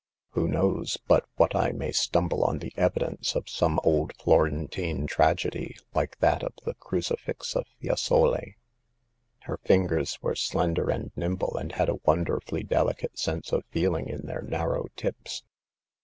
Who knows but what I may stumble on the evidence of some old Florentine tragedy, like that of the Crucifix of Fiesole ?" Her fingers were slender and nimble, and had a wonderfully delicate sense of feeling in their narrow tips.